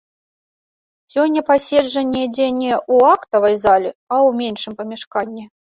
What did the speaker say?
Сёння паседжанне ідзе не ў актавай зале, а ў меншым памяшканні.